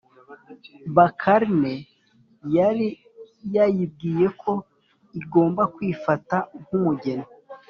Bakarne yari yayibwiye ko igomba kwifata nk' umugeni